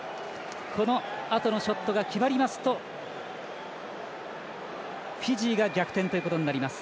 このあとのショットが決まりますとフィジーが逆転ということになります。